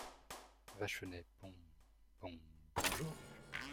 Vachonnet Bon … bon … bonjour !